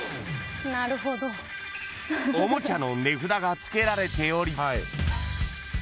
［おもちゃの値札がつけられており］